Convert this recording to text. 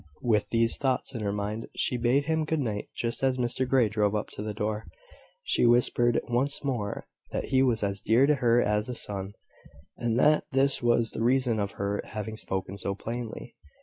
With these thoughts in her mind, she bade him good night, just as Mr Grey drove up to the door. She whispered once more, that he was as dear to her as a son, and that this was the reason of her having spoken so plainly.